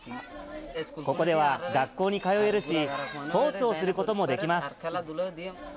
ここでは学校に通えるし、スポーツをすることもできます。